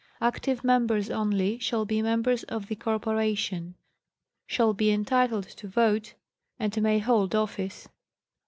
Active members only shall be members of the corporation ; shall be entitled to vote and may hold office.